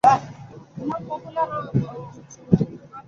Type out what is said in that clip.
হইতে তো না পারাই উচিত ছিল–সাধারণ লোকের তো এমনতরো হয় না।